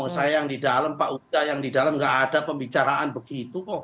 saya yang di dalam pak uda yang di dalam gak ada pembicaraan begitu kok